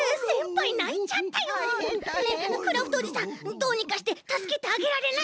たいへんたいへん。ねえクラフトおじさんどうにかしてたすけてあげられないの？